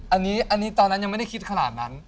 อันนี้ตอนนั้นยังไม่ได้คิดขนาดนั้น